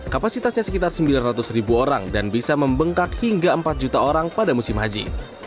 kapasitasnya sekitar sembilan ratus ribu orang dan bisa membengkak hingga empat juta orang pada musim haji